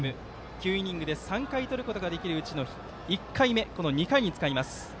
９イニングで３回とることができるうちの１回目をこの２回に使います。